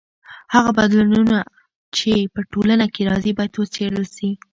هغه بدلونونه چې په ټولنه کې راځي باید وڅېړل سي.